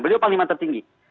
beliau panglima tertinggi